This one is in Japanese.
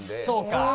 そうか。